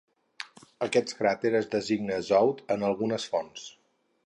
Aquest cràter es designa "Azout" en algunes fonts.